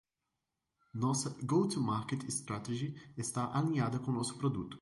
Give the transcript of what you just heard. Nossa go-to-market strategy está alinhada com nosso produto.